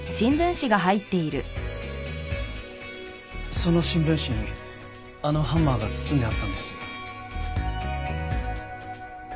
その新聞紙にあのハンマーが包んであったんです。